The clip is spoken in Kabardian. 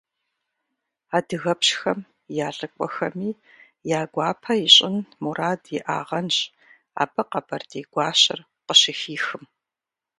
Адыгэпщхэм я лӀыкӀуэхэми я гуапэ ищӀын мурад иӀагъэнщ абы къэбэрдей гуащэр къыщыхихым.